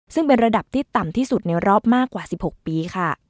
ซึ่งเป็นระดับที่ต่ำที่สุดในรอบมากกว่า๑๖ปีค่ะ